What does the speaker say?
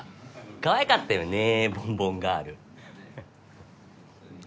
かわいかったよねボンボンガールははっ。